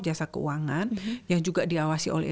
jasa keuangan yang juga diawasi oleh